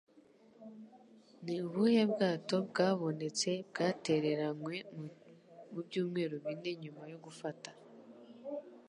Ni ubuhe bwato bwabonetse bwatereranywe mu Ibyumweru bine nyuma yo gufata